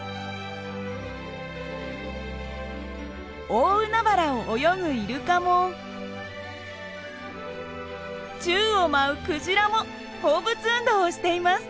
大海原を泳ぐイルカも宙を舞うクジラも放物運動をしています。